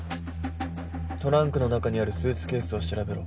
トランクの中にあるスーツケースを調べろ。